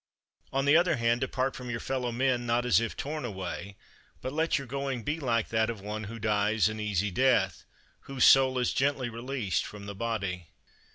On the other hand, depart from your fellow men, not as if torn away; but let your going be like that of one who dies an easy death, whose soul is gently released from the body.